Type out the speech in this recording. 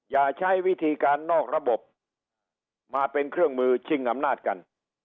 อย่าใช้วิธีการนอกระบบมาเป็นเครื่องมือชิงอำนาจกัน